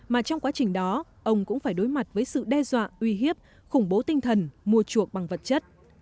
mà trong quá trình đó ông cũng phải đối mặt với sự đe dọa uy hiếp khủng bố tinh thần mua chuộc bằng vật chất